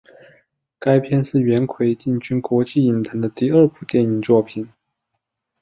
该片是元奎进军国际影坛的第二部电影作品。